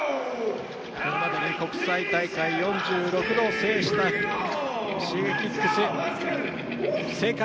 これまでに国際大会４６度制したＳｈｉｇｅｋｉｘ。